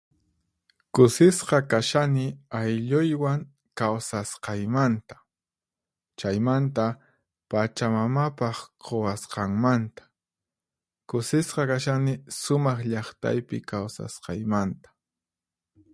Kusisqa kashani aylluywan kawsasqaymanta, chaymanta pachamamapaq quwasqanmanta. Kusisqa kashani sumaq llaqtaypi kawsasqaymanta.